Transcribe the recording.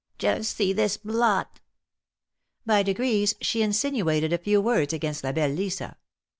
''Just see this blot!" By degrees she insinuated a few words against La belle Lisa.